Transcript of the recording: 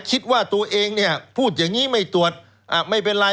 คิดว่าตัวเองเนี่ยพูดอย่างนี้ไม่ตรวจไม่เป็นไร